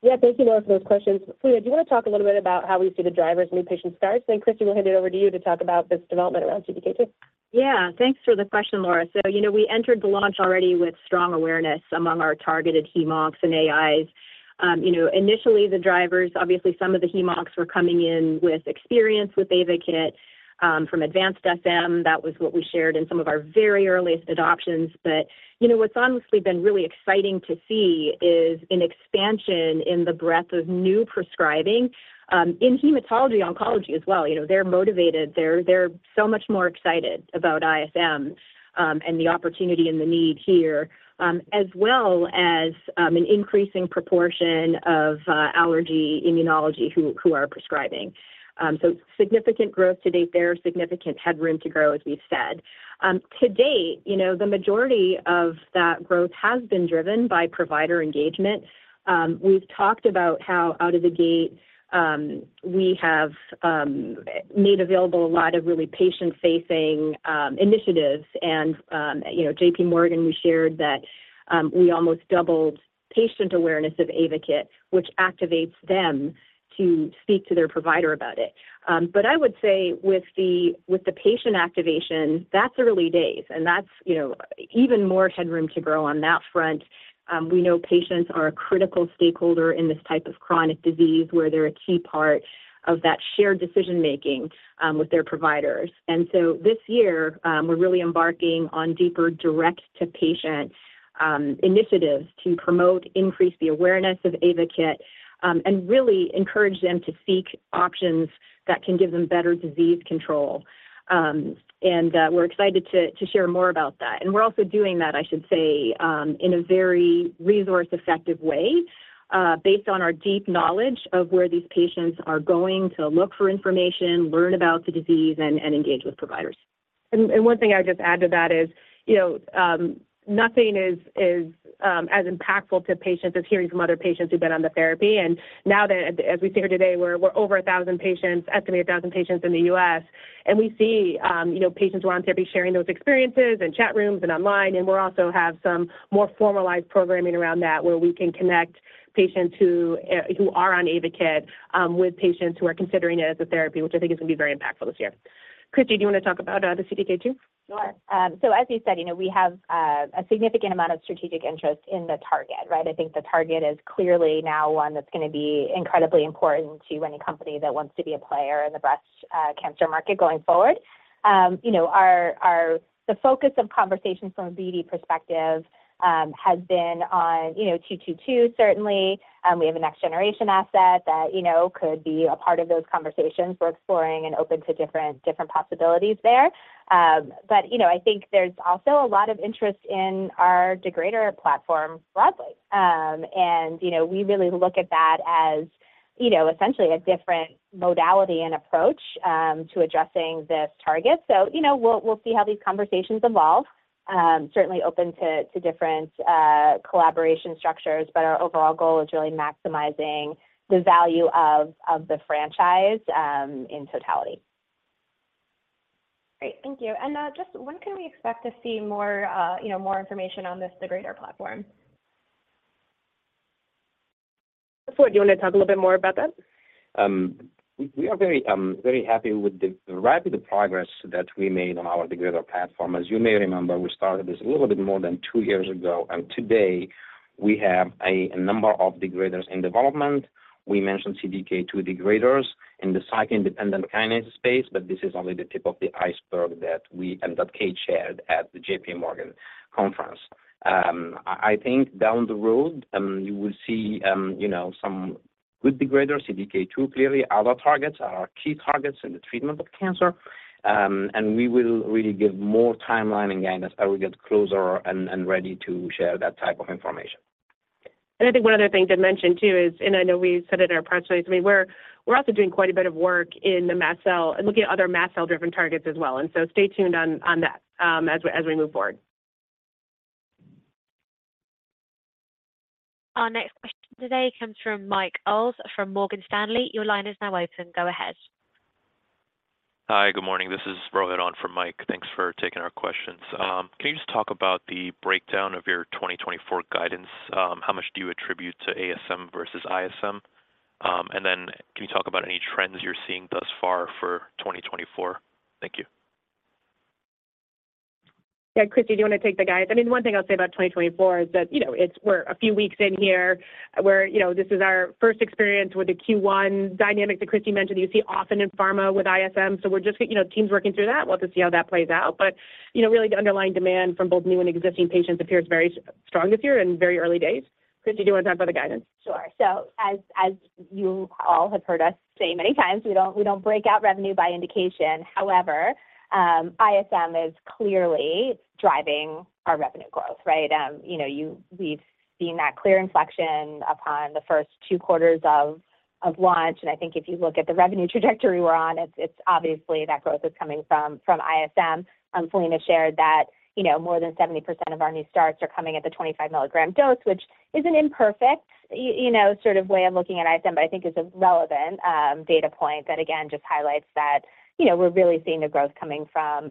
Speaker 2: Yeah. Thank you, Laura, for those questions. Fouad, do you want to talk a little bit about how we see the drivers in new patient starts? And then Christina, we'll hand it over to you to talk about this development around CDK2.
Speaker 4: Yeah. Thanks for the question, Laura. So we entered the launch already with strong awareness among our targeted HEMOCs and AIs. Initially, the drivers, obviously, some of the HEMOCs were coming in with experience with AYVAKIT from Advanced SM. That was what we shared in some of our very earliest adoptions. But what's honestly been really exciting to see is an expansion in the breadth of new prescribing in hematology, oncology as well. They're motivated. They're so much more excited about ISM and the opportunity and the need here as well as an increasing proportion of allergy immunology who are prescribing. So significant growth to date there, significant headroom to grow, as we've said. To date, the majority of that growth has been driven by provider engagement. We've talked about how out of the gate, we have made available a lot of really patient-facing initiatives. At JPMorgan, we shared that we almost doubled patient awareness of AYVAKIT, which activates them to speak to their provider about it. But I would say with the patient activation, that's early days, and that's even more headroom to grow on that front. We know patients are a critical stakeholder in this type of chronic disease where they're a key part of that shared decision-making with their providers. And so this year, we're really embarking on deeper direct-to-patient initiatives to promote, increase the awareness of AYVAKIT, and really encourage them to seek options that can give them better disease control. And we're excited to share more about that. And we're also doing that, I should say, in a very resource-effective way based on our deep knowledge of where these patients are going to look for information, learn about the disease, and engage with providers.
Speaker 2: One thing I would just add to that is nothing is as impactful to patients as hearing from other patients who've been on the therapy. Now that, as we sit here today, we're over 1,000 patients, estimated 1,000 patients in the US We see patients who are on therapy sharing those experiences in chat rooms and online. We also have some more formalized programming around that where we can connect patients who are on AYVAKIT with patients who are considering it as a therapy, which I think is going to be very impactful this year. Christina, do you want to talk about the CDK2?
Speaker 8: Sure. So as you said, we have a significant amount of strategic interest in the target, right? I think the target is clearly now one that's going to be incredibly important to any company that wants to be a player in the breast cancer market going forward. The focus of conversations from a BD perspective has been on 222, certainly. We have a next-generation asset that could be a part of those conversations. We're exploring and open to different possibilities there. But I think there's also a lot of interest in our degrader platform broadly. And we really look at that as essentially a different modality and approach to addressing this target. So we'll see how these conversations evolve, certainly open to different collaboration structures. But our overall goal is really maximizing the value of the franchise in totality.
Speaker 15: Great. Thank you. Just when can we expect to see more information on this degrader platform?
Speaker 2: Fouad, do you want to talk a little bit more about that?
Speaker 5: We are very happy with the rapid progress that we made on our degrader platform. As you may remember, we started this a little bit more than two years ago. Today, we have a number of degraders in development. We mentioned CDK2 degraders in the cycle-independent kinase space, but this is only the tip of the iceberg that Kate shared at the JPMorgan conference. I think down the road, you will see some good degraders, CDK2 clearly. Other targets are our key targets in the treatment of cancer. We will really give more timeline and guidance as we get closer and ready to share that type of information.
Speaker 2: I think one other thing to mention too is, and I know we said it in our press release, I mean, we're also doing quite a bit of work in the mast cell and looking at other mast cell-driven targets as well. So stay tuned on that as we move forward.
Speaker 1: Our next question today comes from Mike Oles from Morgan Stanley. Your line is now open. Go ahead.
Speaker 16: Hi. Good morning. This is Rohit on from Mike. Thanks for taking our questions. Can you just talk about the breakdown of your 2024 guidance? How much do you attribute to ASM versus ISM? And then can you talk about any trends you're seeing thus far for 2024? Thank you.
Speaker 2: Yeah. Christina, do you want to take the guide? I mean, one thing I'll say about 2024 is that we're a few weeks in here. This is our first experience with the Q1 dynamics that Christina mentioned that you see often in pharma with ISM. So we're just teams working through that. We'll have to see how that plays out. But really, the underlying demand from both new and existing patients appears very strong this year and very early days. Christina, do you want to talk about the guidance?
Speaker 8: Sure. So as you all have heard us say many times, we don't break out revenue by indication. However, ISM is clearly driving our revenue growth, right? We've seen that clear inflection upon the first two quarters of launch. And I think if you look at the revenue trajectory we're on, it's obvious that growth is coming from ISM. And Philina shared that more than 70% of our new starts are coming at the 25-milligram dose, which is an imperfect sort of way of looking at ISM, but I think is a relevant data point that, again, just highlights that we're really seeing the growth coming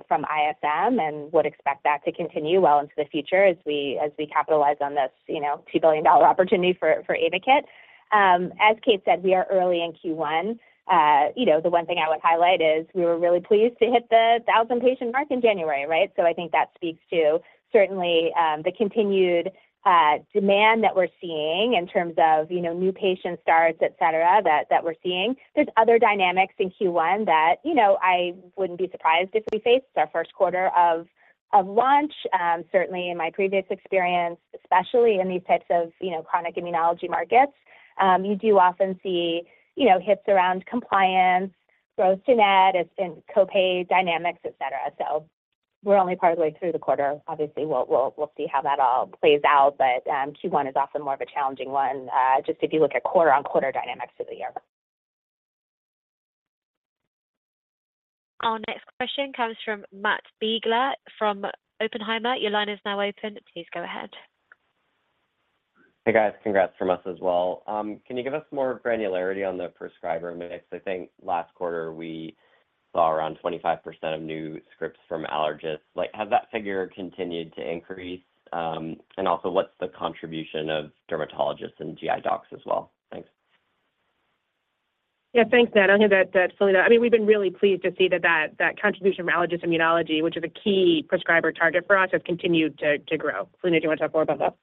Speaker 8: from ISM and would expect that to continue well into the future as we capitalize on this $2 billion opportunity for AYVAKIT. As Kate said, we are early in Q1. The one thing I would highlight is we were really pleased to hit the 1,000-patient mark in January, right? So I think that speaks to certainly the continued demand that we're seeing in terms of new patient starts, etc., that we're seeing. There's other dynamics in Q1 that I wouldn't be surprised if we faced our first quarter of launch. Certainly, in my previous experience, especially in these types of chronic immunology markets, you do often see hits around compliance, growth-to-net, and copay dynamics, etc. So we're only part of the way through the quarter. Obviously, we'll see how that all plays out. But Q1 is often more of a challenging one just if you look at quarter-on-quarter dynamics of the year.
Speaker 1: Our next question comes from Matt Biegler from Oppenheimer. Your line is now open. Please go ahead.
Speaker 17: Hey, guys. Congrats from us as well. Can you give us more granularity on the prescriber mix? I think last quarter, we saw around 25% of new scripts from allergists. Has that figure continued to increase? And also, what's the contribution of dermatologists and GI docs as well? Thanks.
Speaker 2: Yeah. Thanks, Matt. I'll hand that to Philina. I mean, we've been really pleased to see that that contribution from allergist immunology, which is a key prescriber target for us, has continued to grow. Philina, do you want to talk more about that?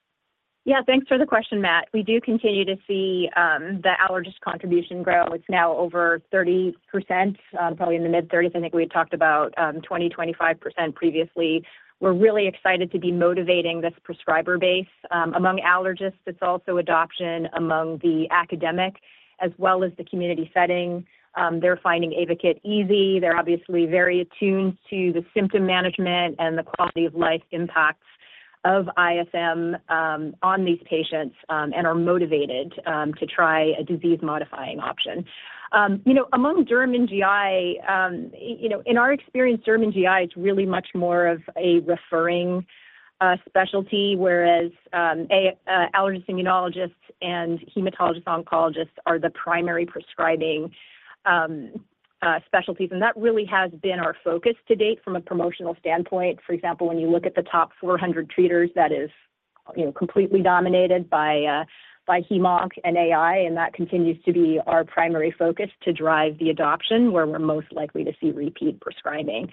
Speaker 4: Yeah. Thanks for the question, Matt. We do continue to see the allergist contribution grow. It's now over 30%, probably in the mid-30s. I think we had talked about 20, 25% previously. We're really excited to be motivating this prescriber base. Among allergists, it's also adoption. Among the academic, as well as the community setting, they're finding AYVAKIT easy. They're obviously very attuned to the symptom management and the quality of life impacts of ISM on these patients and are motivated to try a disease-modifying option. Among derm and GI, in our experience, derm and GI is really much more of a referring specialty, whereas allergist immunologists and hematologist-oncologists are the primary prescribing specialties. And that really has been our focus to date from a promotional standpoint. For example, when you look at the top 400 treaters, that is completely dominated by HEMOC and AI. That continues to be our primary focus to drive the adoption where we're most likely to see repeat prescribing.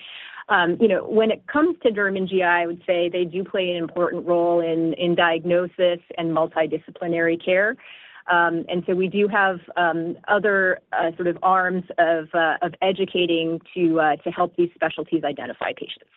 Speaker 4: When it comes to derm and GI, I would say they do play an important role in diagnosis and multidisciplinary care. So we do have other sort of arms of educating to help these specialties identify patients.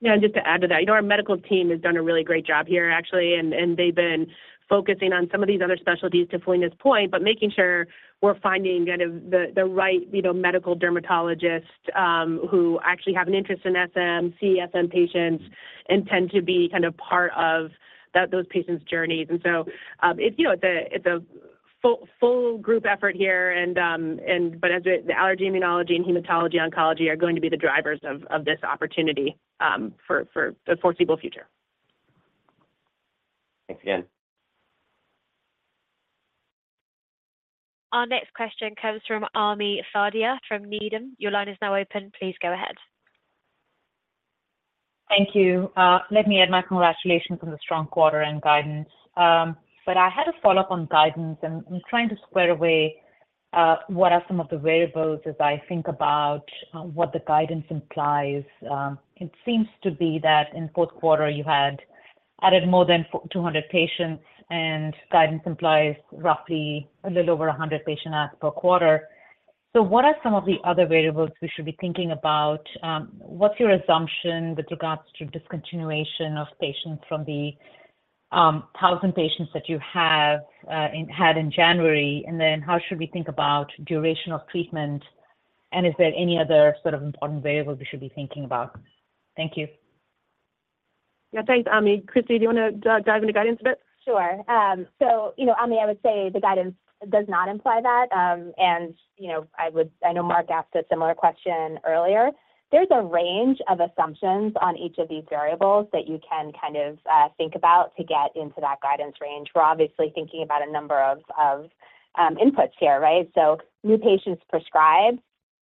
Speaker 2: Yeah. And just to add to that, our medical team has done a really great job here, actually. And they've been focusing on some of these other specialties to Philina's point, but making sure we're finding kind of the right medical dermatologists who actually have an interest in SM, see SM patients, and tend to be kind of part of those patients' journeys. And so it's a full group effort here. But the allergy immunology and hematology-oncology are going to be the drivers of this opportunity for a foreseeable future.
Speaker 17: Thanks again.
Speaker 1: Our next question comes from Ami Fadia from Needham. Your line is now open. Please go ahead.
Speaker 18: Thank you. Let me add my congratulations on the strong quarter and guidance. I had a follow-up on guidance. I'm trying to square away what are some of the variables as I think about what the guidance implies. It seems to be that in Q4, you had added more than 200 patients, and guidance implies roughly a little over 100 patients added per quarter. What are some of the other variables we should be thinking about? What's your assumption with regards to discontinuation of patients from the 1,000 patients that you had in January? How should we think about duration of treatment? Is there any other sort of important variable we should be thinking about? Thank you.
Speaker 2: Yeah. Thanks, Ami. Christina, do you want to dive into guidance a bit?
Speaker 8: Sure. So Ami, I would say the guidance does not imply that. And I know Mark asked a similar question earlier. There's a range of assumptions on each of these variables that you can kind of think about to get into that guidance range. We're obviously thinking about a number of inputs here, right? So new patients prescribed,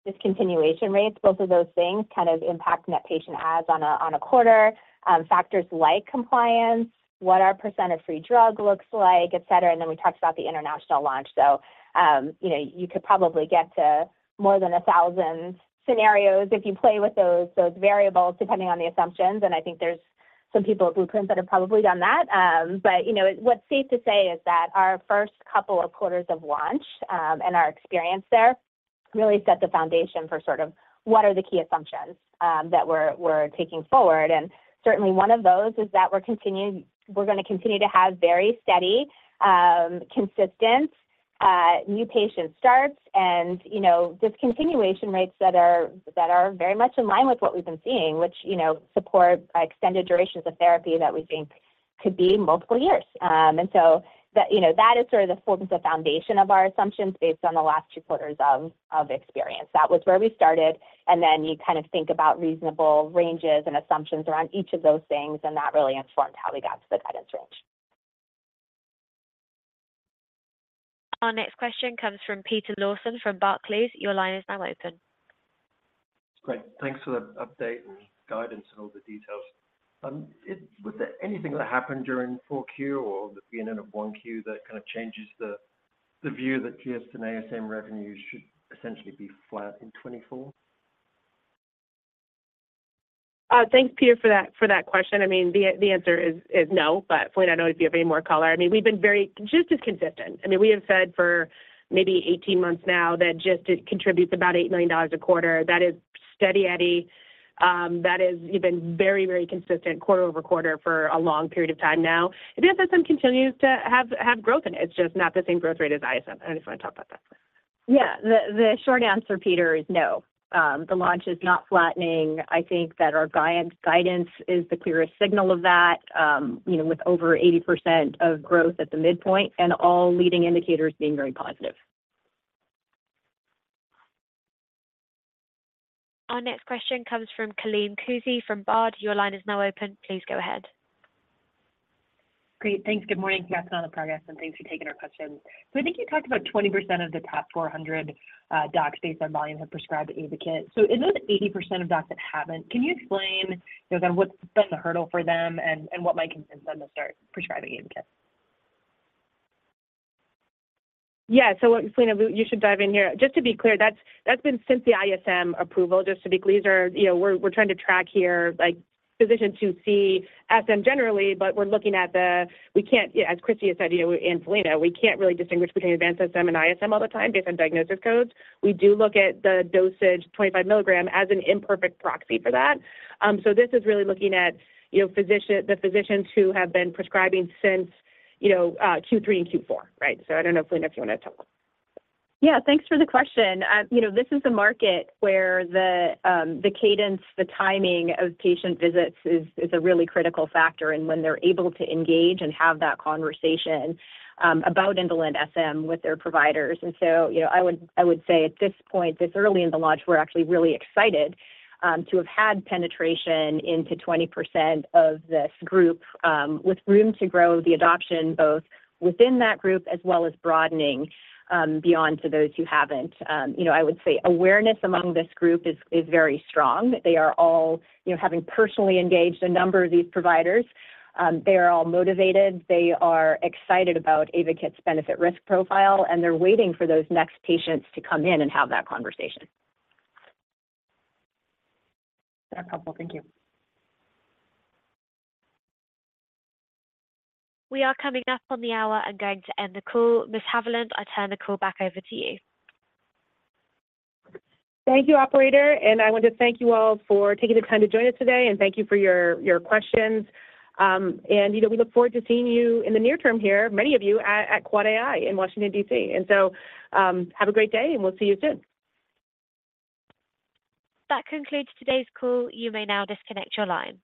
Speaker 8: discontinuation rates, both of those things kind of impact net patient adds on a quarter, factors like compliance, what our percent of free drug looks like, etc. And then we talked about the international launch. So you could probably get to more than 1,000 scenarios if you play with those variables depending on the assumptions. And I think there's some people at Blueprint that have probably done that. But what's safe to say is that our first couple of quarters of launch and our experience there really set the foundation for sort of what are the key assumptions that we're taking forward. And certainly, one of those is that we're going to continue to have very steady, consistent new patient starts and discontinuation rates that are very much in line with what we've been seeing, which support extended durations of therapy that we think could be multiple years. And so that is sort of the firm foundation of our assumptions based on the last two quarters of experience. That was where we started. And then you kind of think about reasonable ranges and assumptions around each of those things. And that really informed how we got to the guidance range.
Speaker 1: Our next question comes from Peter Lawson from Barclays. Your line is now open.
Speaker 19: Great. Thanks for the update and guidance and all the details. Was there anything that happened during Q4 or the beginning of Q1 that kind of changes the view that Gavreto to non-AdvSM revenue should essentially be flat in 2024?
Speaker 2: Thanks, Peter, for that question. I mean, the answer is no. But Philina, I don't know if you have any more color. I mean, we've been just as consistent. I mean, we have said for maybe 18 months now that just it contributes about $8 million a quarter. That is steady, Eddie. That has been very, very consistent quarter over quarter for a long period of time now. If AdvSM continues to have growth in it, it's just not the same growth rate as ISM. I don't know if you want to talk about that.
Speaker 8: Yeah. The short answer, Peter, is no. The launch is not flattening. I think that our guidance is the clearest signal of that with over 80% of growth at the midpoint and all leading indicators being very positive.
Speaker 1: Our next question comes from Colin Rossie from Barclays. Your line is now open. Please go ahead.
Speaker 20: Great. Thanks. Good morning. Cassandra Saitow on the progress and thanks for taking our questions. So I think you talked about 20% of the top 400 docs based on volume have prescribed AYVAKIT. So in those 80% of docs that haven't, can you explain kind of what's been the hurdle for them and what might convince them to start prescribing AYVAKIT?
Speaker 2: Yeah. So Philina, you should dive in here. Just to be clear, that's been since the ISM approval. Just to be clear, we're trying to track here physicians who see SM generally, but we're looking at the, as Christina has said and Philina, we can't really distinguish between advanced SM and ISM all the time based on diagnosis codes. We do look at the dosage 25 milligram as an imperfect proxy for that. So this is really looking at the physicians who have been prescribing since Q3 and Q4, right? So I don't know, Philina, if you want to talk about that.
Speaker 8: Yeah. Thanks for the question. This is a market where the cadence, the timing of patient visits is a really critical factor in when they're able to engage and have that conversation about indolent SM with their providers. And so I would say at this point, this early in the launch, we're actually really excited to have had penetration into 20% of this group with room to grow the adoption both within that group as well as broadening beyond to those who haven't. I would say awareness among this group is very strong. They are all having personally engaged a number of these providers. They are all motivated. They are excited about AYVAKIT's benefit-risk profile. And they're waiting for those next patients to come in and have that conversation.
Speaker 20: That's a couple. Thank you.
Speaker 1: We are coming up on the hour. I'm going to end the call. Ms. Haviland, I turn the call back over to you.
Speaker 3: Thank you, operator. I want to thank you all for taking the time to join us today. Thank you for your questions. We look forward to seeing you in the near term here, many of you, at QuadAI in Washington, D.C. So have a great day, and we'll see you soon.
Speaker 1: That concludes today's call. You may now disconnect your line.